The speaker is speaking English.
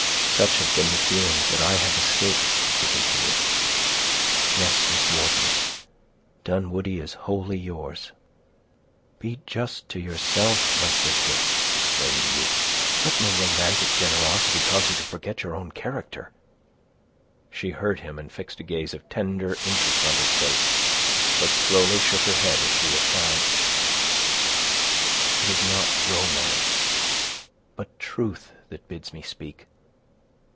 "Such have been the feelings that I have escaped," she continued. "Yes, Miss Wharton, Dunwoodie is wholly yours." "Be just to yourself, my sister," exclaimed the youth; "let no romantic generosity cause you to forget your own character." She heard him, and fixed a gaze of tender interest on his face, but slowly shook her head as she replied,— "It is not romance, but truth, that bids me speak.